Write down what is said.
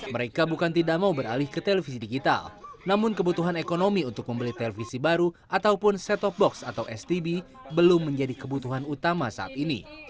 mereka bukan tidak mau beralih ke televisi digital namun kebutuhan ekonomi untuk membeli televisi baru ataupun set top box atau stb belum menjadi kebutuhan utama saat ini